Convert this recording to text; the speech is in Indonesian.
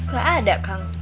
gak ada kang